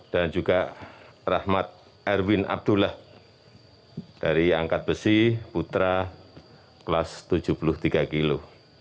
dan juga rahmat erwin abdullah dari angkat besi putra kelas tujuh puluh tiga kilo